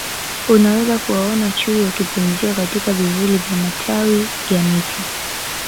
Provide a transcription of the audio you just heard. Unaweza kuwaona Chui wakipumzika katika vivuli vya matawi ya miti